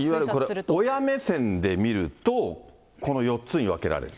いわゆるこれ、親目線で見ると、この４つに分けられる。